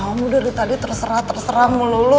kamu dari tadi terserah terserah mulu mulu